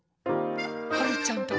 はるちゃんだ。